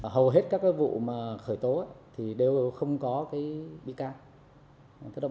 hầu hết các vụ khởi tố đều không có bị can